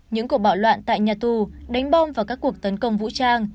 những cuộc bạo loạn tại nhà tù đánh bom vào các cuộc tấn công vũ trang